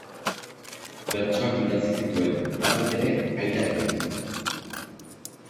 Bertsoak idatzi zituen, batez ere aitarekin.